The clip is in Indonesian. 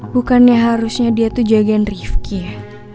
bukannya harusnya dia tuh jagain rifki ya